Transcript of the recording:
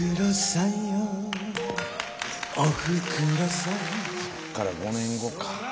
そっから５年後か。